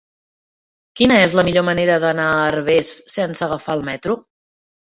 Quina és la millor manera d'anar a Herbers sense agafar el metro?